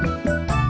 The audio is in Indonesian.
buat masa tunggu